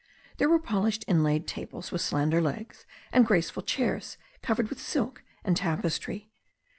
There were polished inlaid tables, with slender legs, and graceful chairs covered with silk and tapestry.